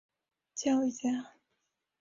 教育家。